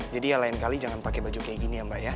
jadi ya lain kali jangan pake baju kayak gini ya mbak ya